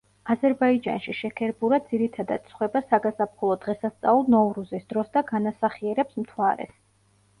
აზერბაიჯანში შექერბურა ძირითადად ცხვება საგაზაფხულო დღესასწაულ ნოვრუზის დროს და განასახიერებს მთვარეს.